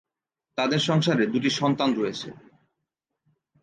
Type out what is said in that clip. তাদের সংসারে দু'টি সন্তান রয়েছে।